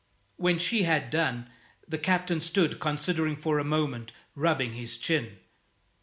When she had done, the Captain stood considering for a moment, rubbing his chin.